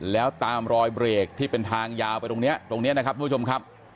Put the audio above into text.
แล้วตามรอยเบรกที่เป็นทางยาวไปตรงนี้ตรงนี้นะครับทุกผู้ชมครับ